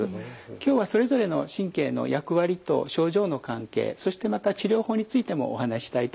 今日はそれぞれの神経の役割と症状の関係そしてまた治療法についてもお話ししたいと思います。